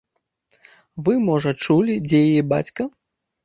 Вы, можа, чулі, дзе яе бацька?